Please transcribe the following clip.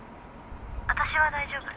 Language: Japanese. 「私は大丈夫」